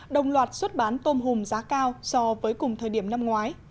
đồng loạt xuất bán tôm hùm giá cao so với cùng thời điểm năm ngoái